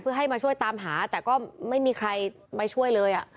เพื่อให้มาช่วยตามหาแต่ก็ไม่มีใครมาช่วยเลย